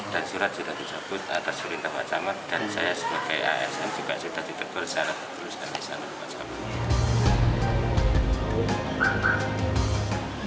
dan surat sudah dijemput atas perintah pak samar dan saya sebagai asm juga sudah ditutup bersalah